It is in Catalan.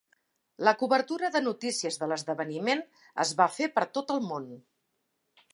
La cobertura de notícies de l'esdeveniment es va fer per tot el món.